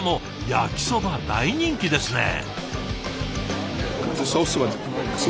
焼きそば大人気ですねえ。